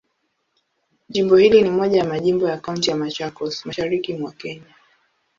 Jimbo hili ni moja ya majimbo ya Kaunti ya Machakos, Mashariki mwa Kenya.